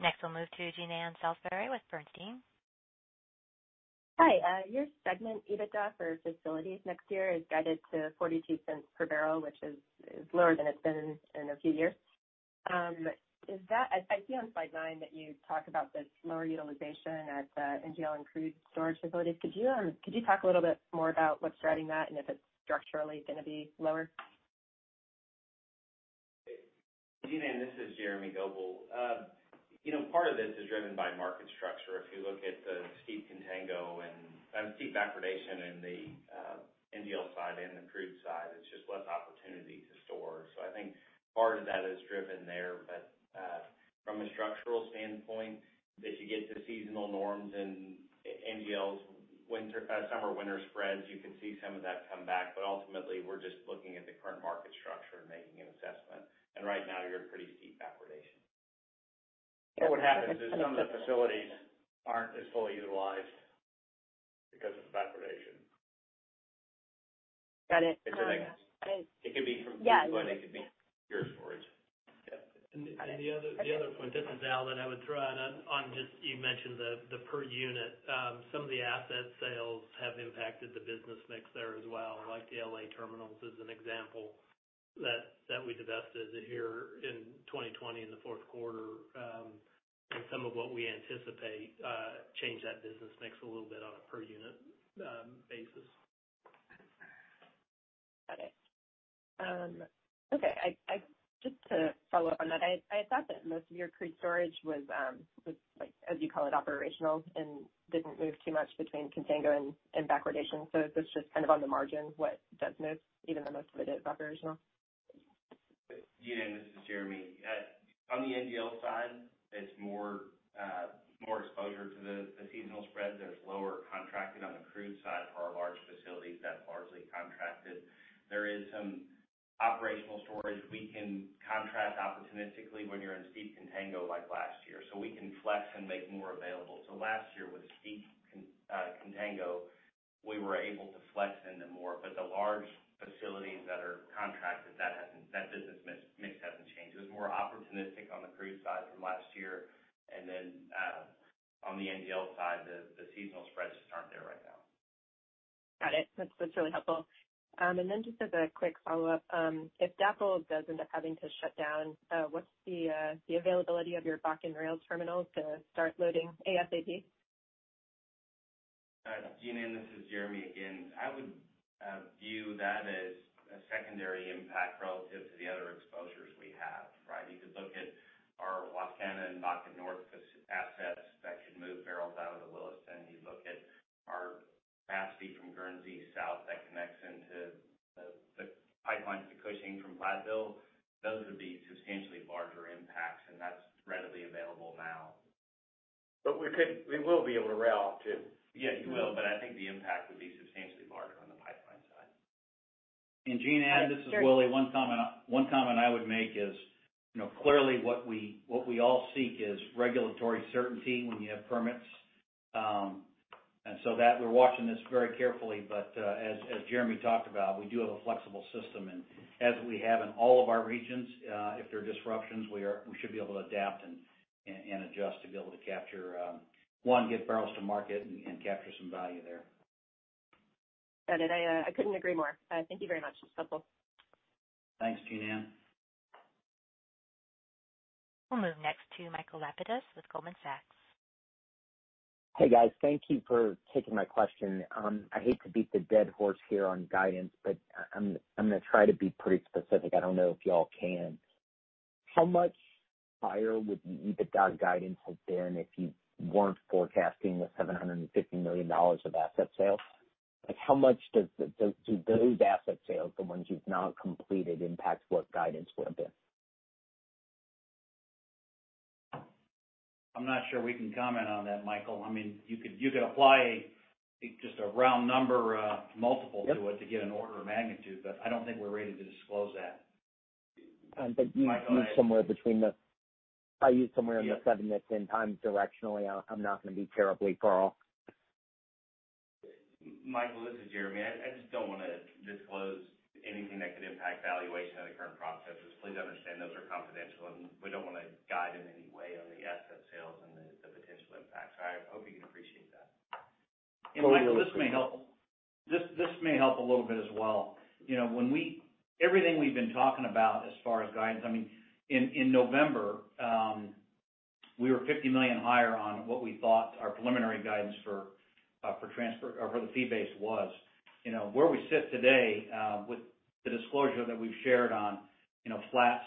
Next, we'll move to Jean Ann Salisbury with Bernstein. Hi. Your segment EBITDA for facilities next year is guided to $0.42 per barrel, which is lower than it's been in a few years. I see on slide nine that you talk about the lower utilization at NGL and crude storage facilities. Could you talk a little bit more about what's driving that and if it's structurally going to be lower? Jean Ann, this is Jeremy Goebel. Part of this is driven by market structure. If you look at the steep contango and steep backwardation in the NGL side and the crude side, it's just less opportunity to store. I think part of that is driven there. From a structural standpoint, as you get to seasonal norms in NGLs summer/winter spreads, you can see some of that come back, but ultimately we're just looking at the current market structure and making an assessment. Right now you're in pretty steep backwardation. What happens is some of the facilities aren't as fully utilized because of backwardation. Got it. It could be. Yeah. It could be your storage. Yeah. Got it. Okay. The other point, this is Al, that I would throw on just you mentioned the per unit. Some of the asset sales have impacted the business mix there as well, like the L.A. terminals as an example that we divested here in 2020 in the fourth quarter. Some of what we anticipate change that business mix a little bit on a per unit basis. Got it. Okay. Just to follow up on that, I had thought that most of your crude storage was as you call it, operational, and didn't move too much between contango and backwardation. Is this just kind of on the margin, what does move, even though most of it is operational? Jean Ann, this is Jeremy. On the NGL side, it's more exposure to the seasonal spreads that's lower contracted on the crude side for our large facilities, that's largely contracted. There is some operational storage we can contract opportunistically when you're in steep contango like last year, so we can flex and make more available. Last year with steep contango, we were able to flex into more, but the large facilities that are contracted, that business mix hasn't changed. It was more opportunistic on the crude side from last year. On the NGL side, the seasonal spreads just aren't there right now. Got it. That's really helpful. Just as a quick follow-up, if DAPL does end up having to shut down, what's the availability of your Bakken rail terminals to start loading ASAP? Jean Ann, this is Jeremy again. I would view that as a secondary impact relative to the other exposures we have, right? You could look at our Wascana and Bakken North assets that could move barrels out of the Williston. You look at our capacity from Guernsey south that connects into the pipeline to Cushing from Platteville. Those would be substantially larger impacts, and that's readily available now. We will be able to rail. Yeah, you will, but I think the impact would be substantially larger on the pipeline side. Jean Ann- Got it. Sure. This is Willie. One comment I would make is clearly what we all seek is regulatory certainty when you have permits. We're watching this very carefully. As Jeremy talked about, we do have a flexible system, and as we have in all of our regions, if there are disruptions, we should be able to adapt and adjust to be able to, one, get barrels to market, and capture some value there. Got it. I couldn't agree more. Thank you very much. That's helpful. Thanks, Jean Ann. We'll move next to Michael Lapides with Goldman Sachs. Hey, guys. Thank you for taking my question. I hate to beat the dead horse here on guidance, but I'm going to try to be pretty specific. I don't know if you all can. How much higher would the EBITDA guidance have been if you weren't forecasting the $750 million of asset sales? How much do those asset sales, the ones you've now completed, impact what guidance would have been? I'm not sure we can comment on that, Michael. You could apply just a round number multiple to it to get an order of magnitude, but I don't think we're ready to disclose that. But you- Michael, If I use somewhere in the 7-10x directionally, I'm not going to be terribly far off. Michael, this is Jeremy. I just don't want to disclose anything that could impact valuation of the current processes. Please understand those are confidential, and we don't want to guide in any way on the asset sales and the potential impact. I hope you can appreciate that. Michael, this may help. This may help a little bit as well. Everything we've been talking about as far as guidance, in November, we were $50 million higher on what we thought our preliminary guidance for the fee base was. Where we sit today with the disclosure that we've shared on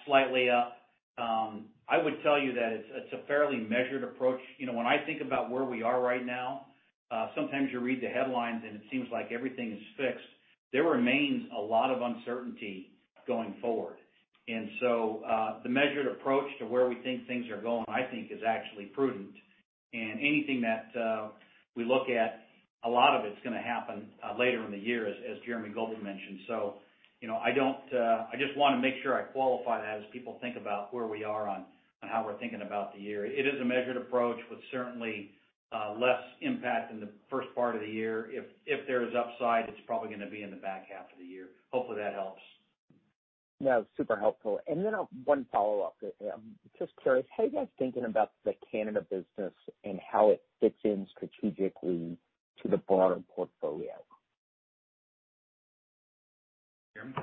slightly up, I would tell you that it's a fairly measured approach. When I think about where we are right now, sometimes you read the headlines, and it seems like everything is fixed. There remains a lot of uncertainty going forward. The measured approach to where we think things are going, I think, is actually prudent. Anything that we look at, a lot of it's going to happen later in the year, as Jeremy Goebel mentioned. I just want to make sure I qualify that as people think about where we are on how we're thinking about the year. It is a measured approach with certainly less impact in the first part of the year. If there is upside, it's probably going to be in the back half of the year. Hopefully, that helps. No, super helpful. One follow-up. I'm just curious, how are you guys thinking about the Canada business and how it fits in strategically to the broader portfolio? Jeremy?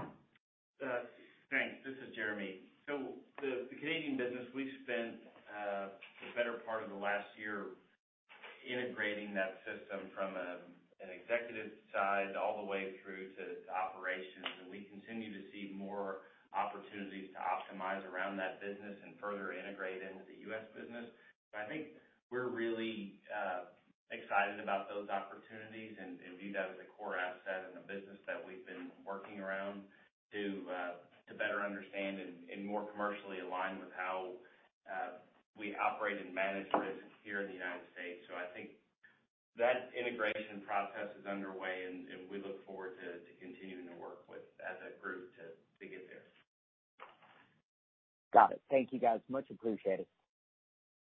Thanks. This is Jeremy. The Canadian business, we spent the better part of the last year. Integrating that system from an executive side all the way through to operations. We continue to see more opportunities to optimize around that business and further integrate into the U.S. business. I think we're really excited about those opportunities and view that as a core asset in the business that we've been working around to better understand and more commercially align with how we operate and manage risks here in the United States. I think that integration process is underway, and we look forward to continuing to work with, as a group, to get there. Got it. Thank you, guys. Much appreciated.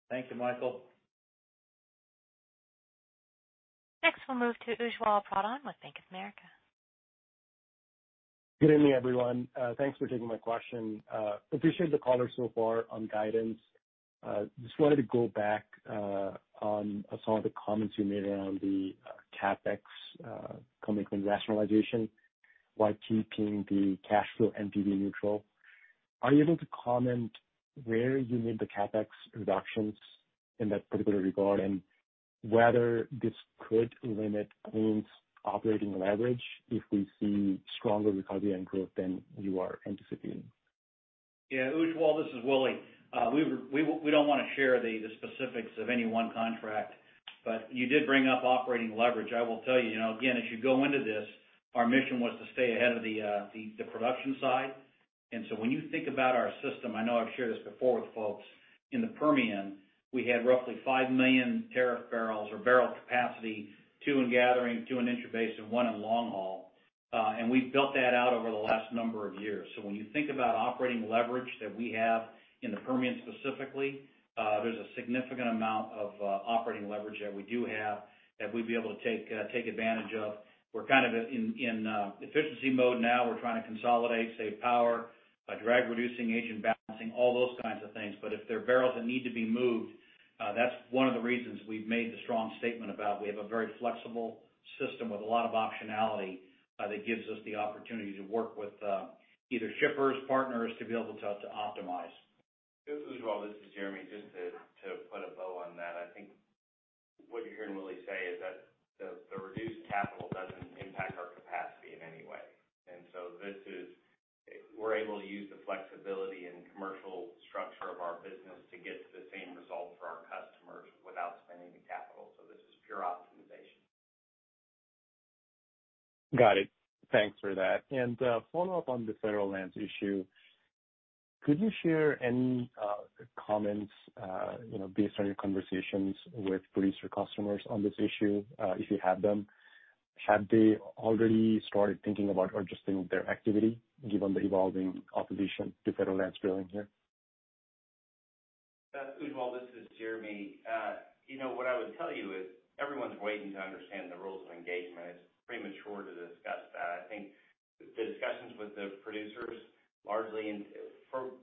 Thank you, Michael. Next, we'll move to Ujjwal Pradhan with Bank of America. Good evening, everyone. Thanks for taking my question. Appreciate the color so far on guidance. Just wanted to go back on some of the comments you made around the CapEx coming from rationalization while keeping the cash flow NPV neutral. Are you able to comment where you made the CapEx reductions in that particular regard, and whether this could limit Plains' operating leverage if we see stronger recovery and growth than you are anticipating? Yeah, Ujjwal, this is Willie. We don't want to share the specifics of any one contract. You did bring up operating leverage. I will tell you, again, as you go into this, our mission was to stay ahead of the production side. When you think about our system, I know I've shared this before with folks, in the Permian, we had roughly 5 million tariff barrels or barrel capacity, two in gathering, two in intrabasin, and one in long haul. We've built that out over the last number of years. When you think about operating leverage that we have in the Permian specifically, there's a significant amount of operating leverage that we do have that we'd be able to take advantage of. We're kind of in efficiency mode now. We're trying to consolidate, save power, drag-reducing agent balancing, all those kinds of things. If there are barrels that need to be moved, that's one of the reasons we've made the strong statement about we have a very flexible system with a lot of optionality that gives us the opportunity to work with either shippers, partners, to be able to optimize. Ujjwal. This is Jeremy. Just to put a bow on that, I think what you're hearing Willie say is that the reduced capital doesn't impact our capacity in any way. We're able to use the flexibility and commercial structure of our business to get to the same result for our customers without spending the capital. This is pure optimization. Got it. Thanks for that. A follow-up on the federal lands issue. Could you share any comments based on your conversations with producer customers on this issue, if you have them? Have they already started thinking about adjusting their activity given the evolving opposition to federal lands drilling here? Ujjwal, this is Jeremy. What I would tell you is everyone's waiting to understand the rules of engagement. It's premature to discuss that. I think the discussions with the producers largely, and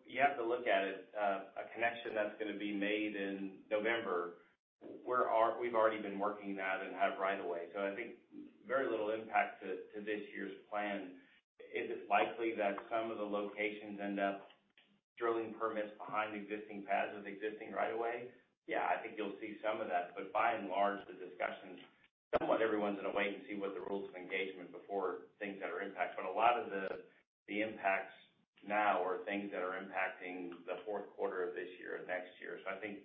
you have to look at it, a connection that's going to be made in November. We've already been working that and have right of way. I think very little impact to this year's plan. Is it likely that some of the locations end up drilling permits behind existing pads with existing right of way? Yeah, I think you'll see some of that. By and large, the discussions, somewhat everyone's going to wait and see what the rules of engagement before things that are impact. A lot of the impacts now are things that are impacting the fourth quarter of this year or next year. I think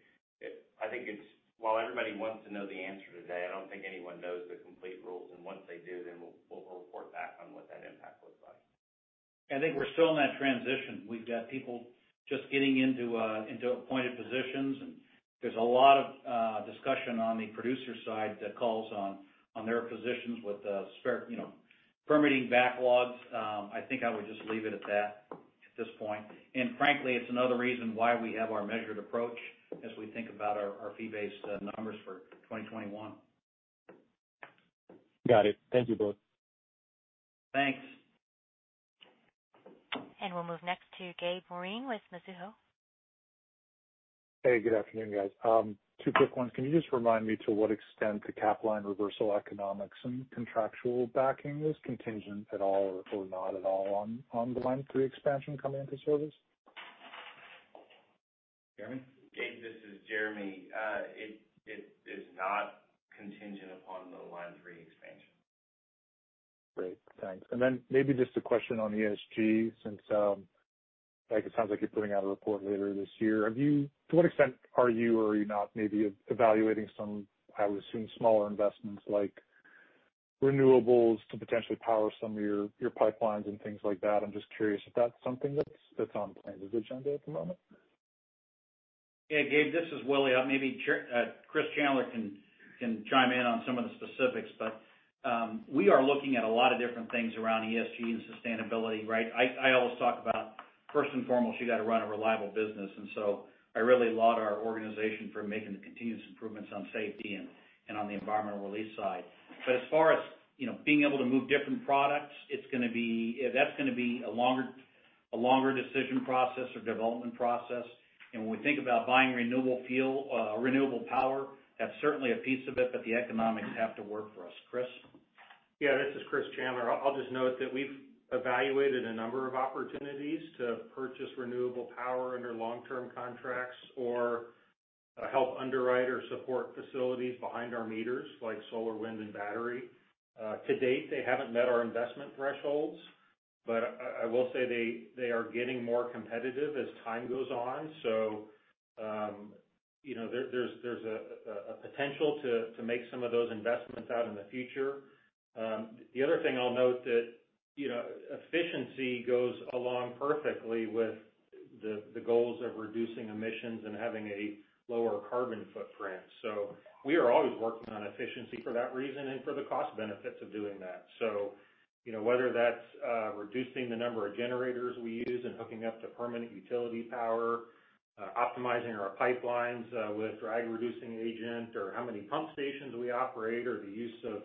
while everybody wants to know the answer today, I don't think anyone knows the complete rules. Once they do, we'll report back on what that impact looks like. I think we're still in that transition. We've got people just getting into appointed positions, and there's a lot of discussion on the producer side that calls on their positions with permitting backlogs. I think I would just leave it at that at this point. Frankly, it's another reason why we have our measured approach as we think about our fee-based numbers for 2021. Got it. Thank you both. Thanks. We'll move next to Gabe Moreen with Mizuho. Hey, good afternoon, guys. Two quick ones. Can you just remind me to what extent the Capline reversal economics and contractual backing is contingent at all or not at all on the Line 3 expansion coming into service? Jeremy? Gabe, this is Jeremy. It is not contingent upon the Line 3 expansion. Great. Thanks. Then maybe just a question on ESG, since it sounds like you're putting out a report later this year. To what extent are you or are you not maybe evaluating some, I would assume, smaller investments like renewables to potentially power some of your pipelines and things like that? I'm just curious if that's something that's on Plains' agenda at the moment. Yeah, Gabe, this is Willie. Maybe Chris Chandler can chime in on some of the specifics, we are looking at a lot of different things around ESG and sustainability, right? I always talk about first and foremost, you got to run a reliable business. I really laud our organization for making the continuous improvements on safety and on the environmental release side. As far as being able to move different products, that's going to be a longer decision process or development process. When we think about buying renewable power, that's certainly a piece of it, but the economics have to work for us. Chris? This is Chris Chandler. I'll just note that we've evaluated a number of opportunities to purchase renewable power under long-term contracts or help underwrite or support facilities behind our meters like solar, wind, and battery. To date, they haven't met our investment thresholds, but I will say they are getting more competitive as time goes on. There's a potential to make some of those investments out in the future. The other thing I'll note that efficiency goes along perfectly with the goals of reducing emissions and having a lower carbon footprint. We are always working on efficiency for that reason and for the cost benefits of doing that. Whether that's reducing the number of generators we use and hooking up to permanent utility power, optimizing our pipelines with drag-reducing agent, or how many pump stations we operate, or the use of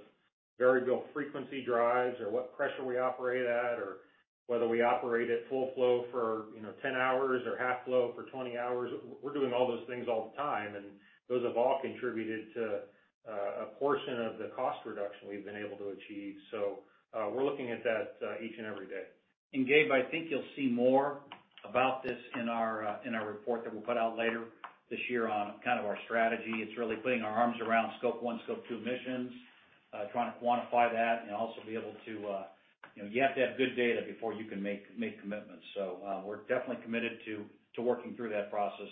variable frequency drives, or what pressure we operate at, or whether we operate at full flow for 10 hours or half flow for 20 hours. We're doing all those things all the time, and those have all contributed to a portion of the cost reduction we've been able to achieve. We're looking at that each and every day. Gabe, I think you'll see more about this in our report that we'll put out later this year on our strategy. It's really putting our arms around Scope 1, Scope 2 emissions, trying to quantify that. You have to have good data before you can make commitments. We're definitely committed to working through that process,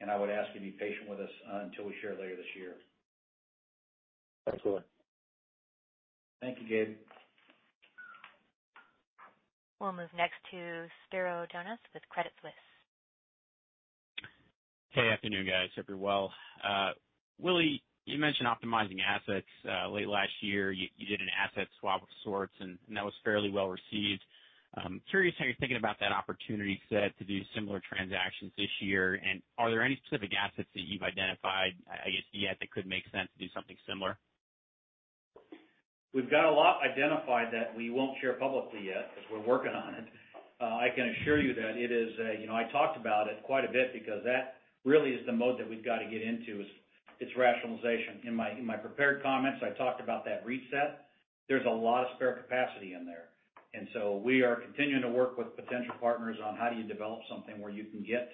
and I would ask you to be patient with us until we share later this year. Excellent. Thank you, Gabe. We'll move next to Spiro Dounis with Credit Suisse. Hey, afternoon, guys. Hope you're well. Willie, you mentioned optimizing assets. Late last year, you did an asset swap of sorts. That was fairly well-received. I'm curious how you're thinking about that opportunity set to do similar transactions this year. Are there any specific assets that you've identified, I guess, yet that could make sense to do something similar? We've got a lot identified that we won't share publicly yet because we're working on it. I can assure you that I talked about it quite a bit because that really is the mode that we've got to get into is its rationalization. In my prepared comments, I talked about that reset. There's a lot of spare capacity in there. We are continuing to work with potential partners on how do you develop something where you can get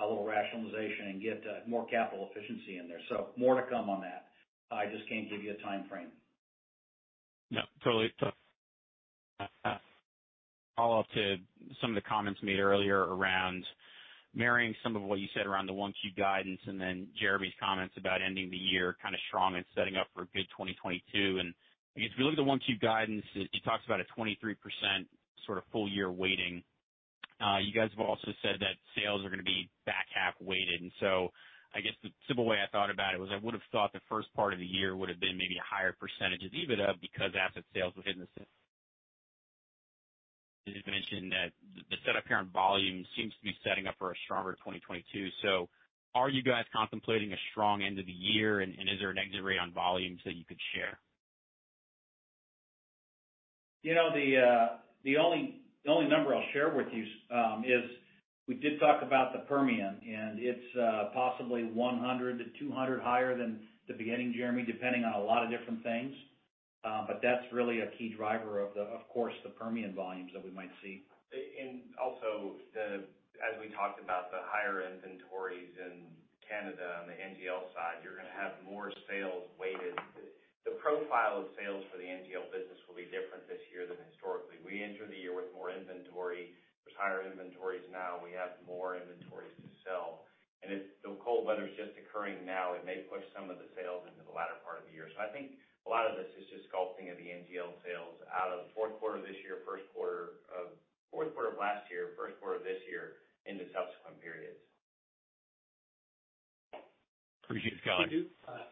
a little rationalization and get more capital efficiency in there. More to come on that. I just can't give you a timeframe. No, totally. Follow-up to some of the comments made earlier around marrying some of what you said around the 1Q guidance, Jeremy's comments about ending the year kind of strong and setting up for a good 2022. I guess if you look at the 1Q guidance, it talks about a 23% sort of full-year weighting. You guys have also said that sales are going to be back half-weighted, I guess the simple way I thought about it was I would have thought the first part of the year would have been maybe a higher percentage of EBITDA because asset sales were hidden. As you mentioned that the setup here on volume seems to be setting up for a stronger 2022. Are you guys contemplating a strong end of the year, and is there an exit rate on volumes that you could share? The only number I'll share with you is we did talk about the Permian, and it's possibly 100-200 higher than the beginning, Jeremy, depending on a lot of different things. That's really a key driver of course, the Permian volumes that we might see. Also as we talked about the higher inventories in Canada on the NGL side, you're going to have more sales weighted. The profile of sales for the NGL business will be different this year than historically. We enter the year with more inventory. There are higher inventories now. We have more inventories to sell. The cold weather's just occurring now. It may push some of the sales into the latter part of the year. I think a lot of this is just sculpting of the NGL sales out of fourth quarter of last year, first quarter of this year into subsequent periods. Appreciate it, guys.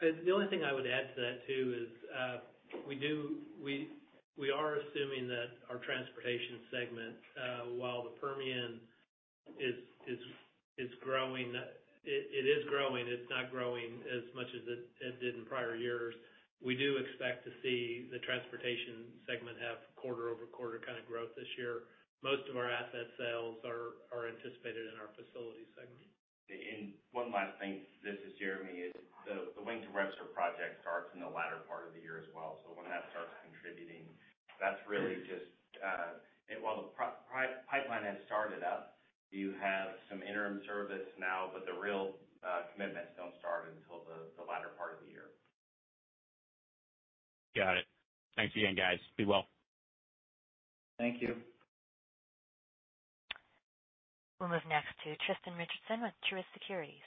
The only thing I would add to that, too, is we are assuming that our transportation segment, while the Permian is growing, it's not growing as much as it did in prior years. We do expect to see the transportation segment have quarter-over-quarter kind of growth this year. Most of our asset sales are anticipated in our facilities segment. One last thing. This is Jeremy. The Wink-to-Webster project starts in the latter part of the year as well. When that starts contributing, while the pipeline has started up, you have some interim service now, but the real commitments don't start until the latter part of the year. Got it. Thanks again, guys. Be well. Thank you. We'll move next to Tristan Richardson with Truist Securities.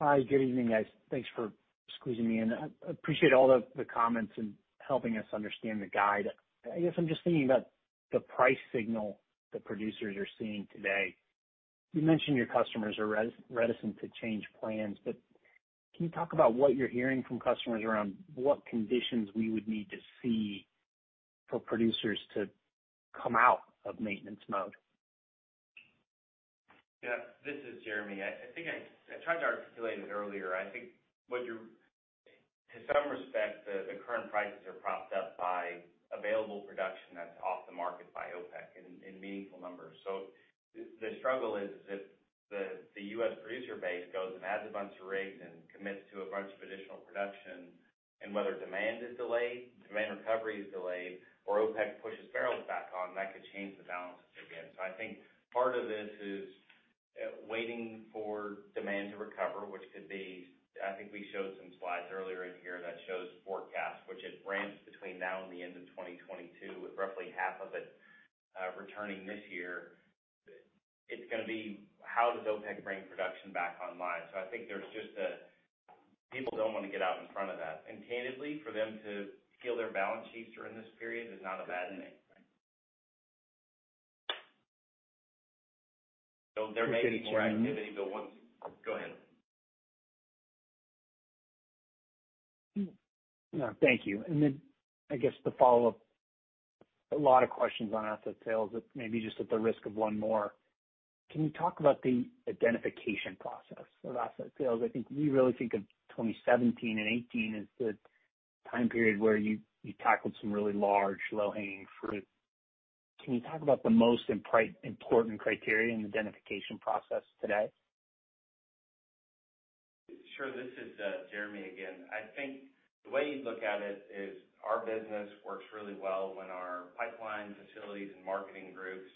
Hi, good evening, guys. Thanks for squeezing me in. I appreciate all the comments and helping us understand the guide. I guess I'm just thinking about the price signal that producers are seeing today. You mentioned your customers are reticent to change plans, but can you talk about what you're hearing from customers around what conditions we would need to see for producers to come out of maintenance mode? Yeah. This is Jeremy. I think I tried to articulate it earlier. I think to some respect, the current prices are propped up by available production that's off the market by OPEC in meaningful numbers. The struggle is if the U.S. producer base goes and adds a bunch of rigs and commits to a bunch of additional production Whether demand is delayed, demand recovery is delayed, or OPEC pushes barrels back on, that could change the balances again. I think part of this is waiting for demand to recover, which could be I think we showed some slides earlier in here that shows forecast, which it ramps between now and the end of 2022, with roughly half of it returning this year. It's going to be, how does OPEC bring production back online? I think there's just a, people don't want to get out in front of that. Candidly, for them to heal their balance sheets during this period is not a bad thing. There may be more activity. Go ahead. No, thank you. I guess the follow-up, a lot of questions on asset sales, but maybe just at the risk of one more, can you talk about the identification process of asset sales? I think we really think of 2017 and 2018 as the time period where you tackled some really large low-hanging fruit. Can you talk about the most important criteria in the identification process today? Sure. This is Jeremy again. I think the way you look at it is our business works really well when our pipeline, facilities, and marketing groups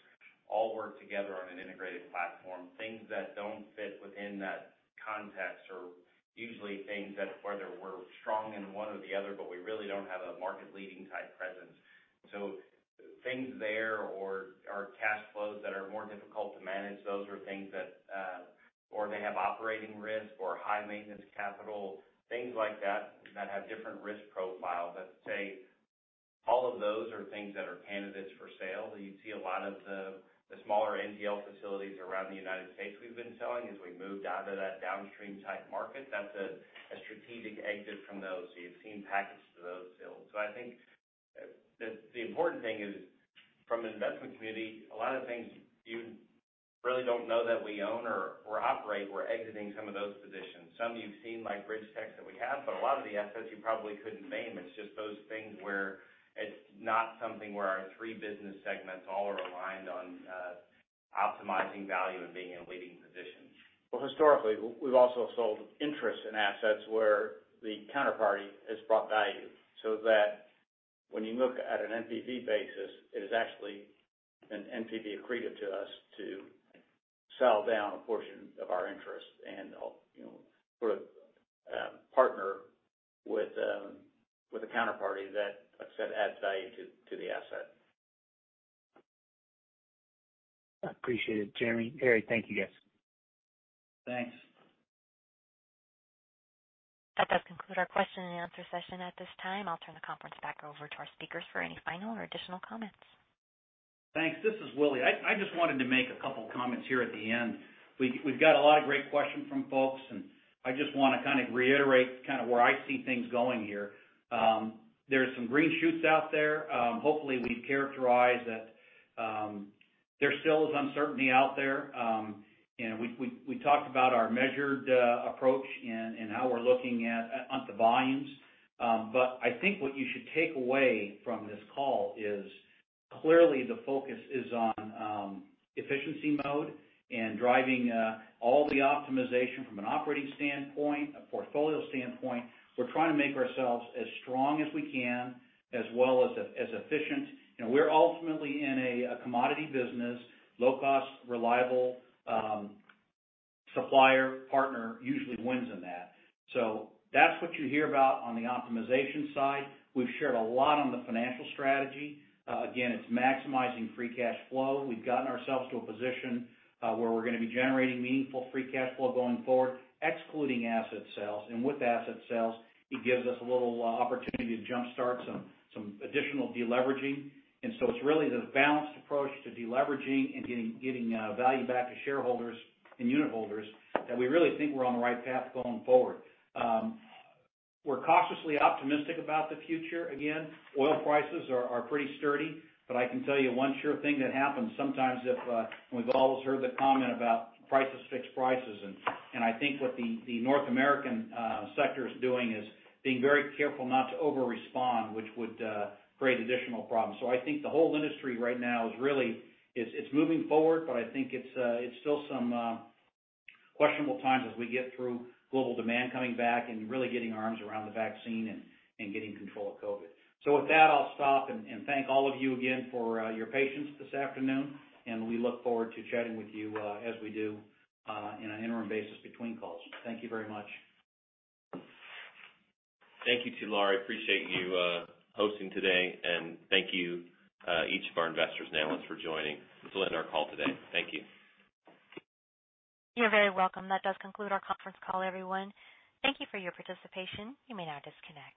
all work together on an integrated platform. Things that don't fit within that context are usually things that whether we're strong in one or the other, but we really don't have a market-leading type presence. Things there, or our cash flows that are more difficult to manage, those are things that they have operating risk or high-maintenance capital. Things like that have different risk profiles. I'd say all of those are things that are candidates for sale. You see a lot of the smaller NGL facilities around the U.S. we've been selling as we moved out of that downstream-type market. That's a strategic exit from those. You've seen pockets to those sales. I think the important thing is from an investment community, a lot of the things you really don't know that we own or operate, we're exiting some of those positions. Some you've seen, like BridgeTex, that we have. A lot of the assets you probably couldn't name. It's just those things where it's not something where our three business segments all are aligned on optimizing value and being in a leading position. Well, historically, we've also sold interest in assets where the counterparty has brought value, so that when you look at an NPV basis, it is actually an NPV accretive to us to sell down a portion of our interest. Sort of partner with a counterparty that, like I said, adds value to the asset. I appreciate it, Jeremy, Harry. Thank you, guys. Thanks. That does conclude our question and answer session at this time. I will turn the conference back over to our speakers for any final or additional comments. Thanks. This is Willie. I just wanted to make a couple comments here at the end. We've got a lot of great questions from folks. I just want to kind of reiterate kind of where I see things going here. There's some green shoots out there. Hopefully we characterize that there still is uncertainty out there. We talked about our measured approach and how we're looking at the volumes. I think what you should take away from this call is clearly the focus is on efficiency mode and driving all the optimization from an operating standpoint, a portfolio standpoint. We're trying to make ourselves as strong as we can, as well as efficient. We're ultimately in a commodity business. Low-cost, reliable supplier partner usually wins in that. That's what you hear about on the optimization side. We've shared a lot on the financial strategy. It's maximizing free cash flow. We've gotten ourselves to a position where we're going to be generating meaningful free cash flow going forward, excluding asset sales. With asset sales, it gives us a little opportunity to jumpstart some additional de-leveraging. It's really the balanced approach to de-leveraging and getting value back to shareholders and unit holders that we really think we're on the right path going forward. We're cautiously optimistic about the future. Again, oil prices are pretty sturdy. I can tell you one sure thing that happens sometimes. We've always heard the comment about prices fix prices, and I think what the North American sector is doing is being very careful not to over-respond, which would create additional problems. I think the whole industry right now is really moving forward, but I think it's still some questionable times as we get through global demand coming back and really getting our arms around the vaccine and getting control of COVID. With that, I'll stop and thank all of you again for your patience this afternoon, and we look forward to chatting with you as we do in an interim basis between calls. Thank you very much. Thank you to you, Laurie. Appreciate you hosting today. Thank you, each of our investors and analysts for joining. This will end our call today. Thank you. You're very welcome. That does conclude our conference call, everyone. Thank you for your participation. You may now disconnect.